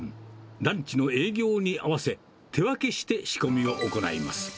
ランチの営業に合わせ、手分けして仕込みを行います。